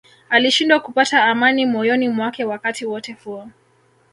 Alishindwa kupata amani moyoni mwake wakati wote huo